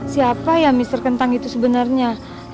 siapa ya mr kentang itu sebenarnya